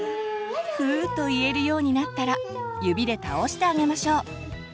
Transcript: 「ふー」と言えるようになったら指で倒してあげましょう。